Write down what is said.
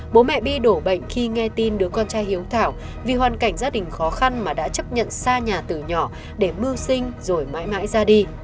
bố mẹ đi đổ bệnh khi nghe tin đứa con trai hiếu thảo vì hoàn cảnh gia đình khó khăn mà đã chấp nhận xa nhà từ nhỏ để mưu sinh rồi mãi mãi ra đi